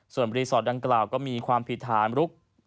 ส่วนรีสอร์ทดังกล่าวก็มีความผิดฐานลุก